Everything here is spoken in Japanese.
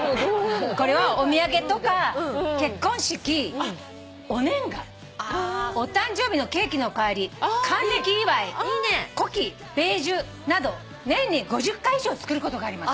「これはお土産とか結婚式お年賀お誕生日のケーキの代わり還暦祝い古希米寿など年に５０回以上作ることがあります」